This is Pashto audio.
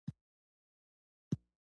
د غزني پر لور وخوځېدی.